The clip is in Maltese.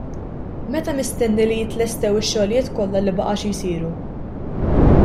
Meta mistenni li jitlestew ix-xogħlijiet kollha li baqa' xi jsiru?